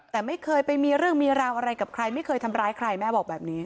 แต่ไม่เคยไปมีเรื่องมีราวอะไรกับใครไม่เคยทำร้ายใครแม่บอกแบบนี้